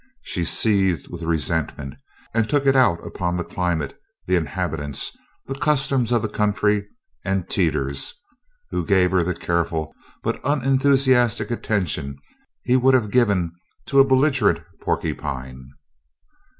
She seethed with resentment, and took it out upon the climate, the inhabitants, the customs of the country, and Teeters who gave her the careful but unenthusiastic attention he would have given to a belligerent porcupine.